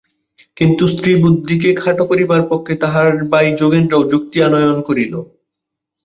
কিন্তু স্ত্রীবুদ্ধিকে খাটো করিবার পক্ষে তাহার ভাই যোগেন্দ্রও যুক্তি আনয়ন করিল।